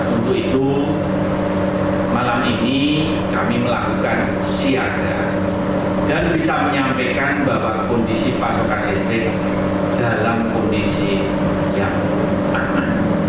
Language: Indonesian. untuk itu malam ini kami melakukan siaga dan bisa menyampaikan bahwa kondisi pasokan listrik dalam kondisi yang aman